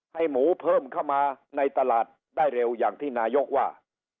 หมูเพิ่มเข้ามาในตลาดได้เร็วอย่างที่นายกว่า